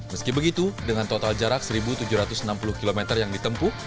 meski begitu dengan total jarak satu tujuh ratus enam puluh km yang ditempuh